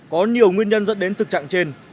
có nhiều nguyên nhân dẫn đến thực trạng trên